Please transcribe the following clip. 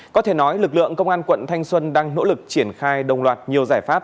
có thể nói lực lượng công an quận thanh xuân đang nỗ lực triển khai đồng loạt nhiều giải pháp